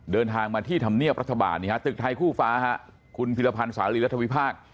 เดินทางมาที่ธรรมเนียบรัฐบาลตึกไทยคู่ฟ้าคุณพิรพันธ์สาลีรัฐวิพากษ์